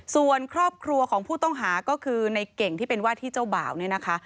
ส่วนครอบครัวของผู้ต้องหาก็คือในเก่งที่เป็นว่าที่เจ้าบ่าวเนี่ยนะคะ